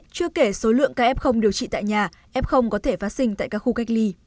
chưa kể số lượng caf điều trị tại nhà f có thể phát sinh tại các khu cách ly